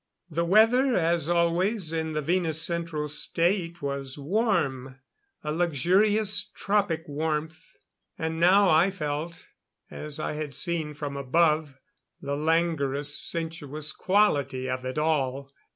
The weather, as always in the Venus Central State, was warm a luxurious tropic warmth. And now I felt as I had seen from above the languorous, sensuous quality of it all.